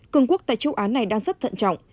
cường quốc tại châu á này đang rất thận trọng